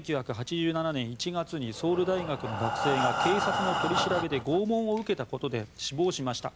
１９８７年１月にソウル大学の学生が警察の取り調べで拷問を受けたことで死亡しました。